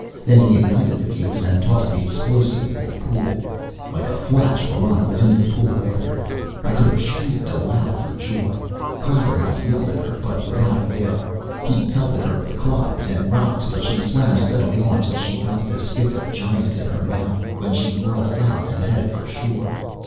Then he ignited the fuse and tossed the explosive into the pool. Like a flash, Bellona was into the pool after it. I could have shrieked aloud for joy. Claverhouse yelled at her, but without avail. He pelted her with clods and rocks, but she swam steadily on till she got the stick of "giant" in her mouth, when she whirled about and headed for shore.